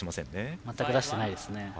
全く出してないですね。